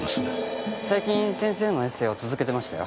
最近先生のエッセーを続けてましたよ。